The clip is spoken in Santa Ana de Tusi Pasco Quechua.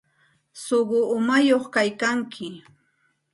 Suqu umañaq kaykanki.